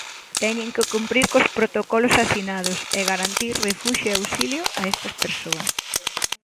"Teñen que cumprir cos protocolos asinados" e garantir "refuxio e auxilio" a estas persoas.